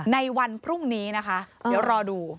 ในวันพรุ่งนี้นะคะเดี๋ยวรอดู